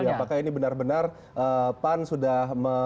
apakah ini benar benar pan sudah